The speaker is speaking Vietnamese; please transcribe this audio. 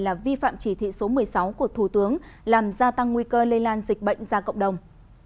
là vi phạm chỉ thị số một mươi sáu của thủ tướng làm gia tăng nguy cơ lây lan dịch bệnh ra cộng đồng